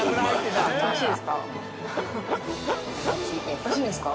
おいしいですか？